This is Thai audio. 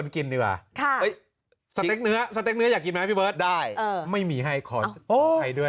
คุณกินดีกว่าสเต็กเนื้ออยากกินไหมพี่เบิร์ตไม่มีให้ขอให้ด้วย